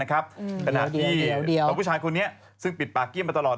ขณะที่ของผู้ชายคนนี้ซึ่งปิดปากเกี้ยมาตลอด